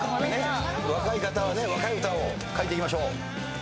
若い方は若い歌を書いていきましょう。